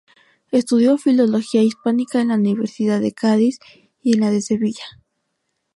Estudió Filología Hispánica en la Universidad de Cádiz y en la de Sevilla.